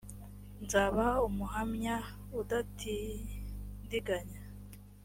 ml nzaba umuhamya udatindiganya